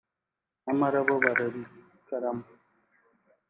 nyamara bo barabigarama